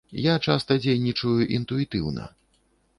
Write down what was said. Я часта дзейнічаю інтуітыўна.